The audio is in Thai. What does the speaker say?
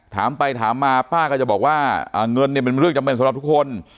ถามไปถามมาป้าก็จะบอกว่าเงินเนี่ยเป็นเรื่องจำเป็นสำหรับทุกคน